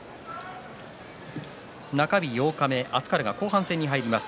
中日八日目、明日から後半戦に入ります